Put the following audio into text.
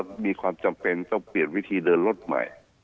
ก็มีความจำเป็นต้องเปลี่ยนวิธีเดินรถใหม่